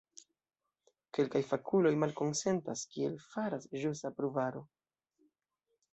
Kelkaj fakuloj malkonsentas, kiel faras ĵusa pruvaro.